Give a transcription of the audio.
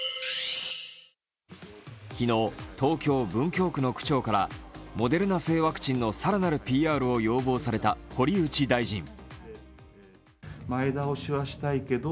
昨日、東京・文京区の区長からモデルナ製ワクチンの更なるＰＲを要望された堀内大臣。